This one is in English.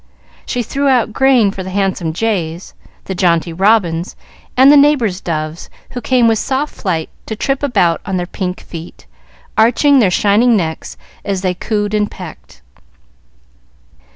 She threw out grain for the handsome jays, the jaunty robins, and the neighbors' doves, who came with soft flight to trip about on their pink feet, arching their shining necks as they cooed and pecked.